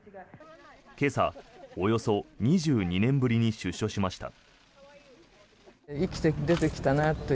今朝、およそ２２年ぶりに出所しました。